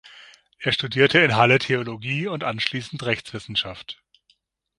Er studierte in Halle Theologie und anschließend Rechtswissenschaft.